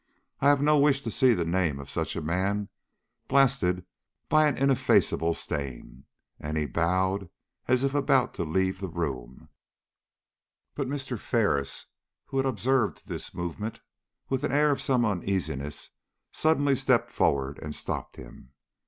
I have no wish to see the name of such a man blasted by an ineffaceable stain." And he bowed as if about to leave the room. But Mr. Ferris, who had observed this movement with an air of some uneasiness, suddenly stepped forward and stopped him.